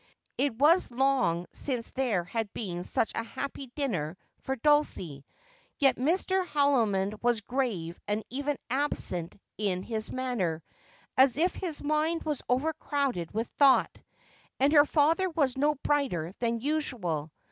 It was long since there had been such a happy dinner for Dulcie ; yet Mr. Haldimond was grave and even absent in his manner, as if his mind was overcrowded with thought ; and her father was no brighter than usual.